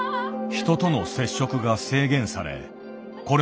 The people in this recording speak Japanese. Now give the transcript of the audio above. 人との接触が制限され